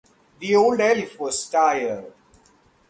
The old elf was tired.